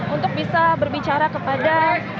untuk bisa berbicara kepada